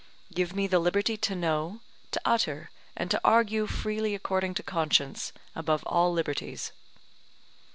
Give me the liberty to know, to utter, and to argue freely according to conscience, above all liberties.